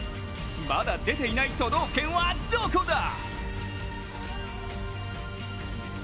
まだ出ていない都道府県はどこだ？